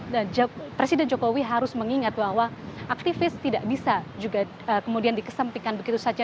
dan presiden jokowi harus mengingat bahwa aktivis tidak bisa juga kemudian dikesempikan begitu saja